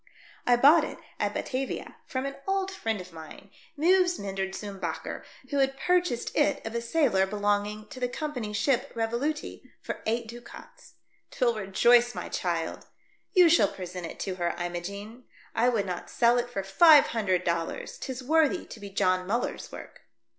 I bought it at Batavia, from 132 THE DEATH SHIP. an old friend of mine, Meeuves Meinderts zoom Bakker, who had purchased it of a sailor belonging to the company's ship, Revolutie, for eight ducats. 'Twill rejoice my child ; you shall present it to her, Imogene. I would not sell it for five hundred dollars ; 'tis worthy to be John Muller's work."